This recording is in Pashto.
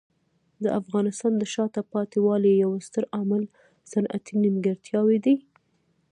د افغانستان د شاته پاتې والي یو ستر عامل صنعتي نیمګړتیاوې دي.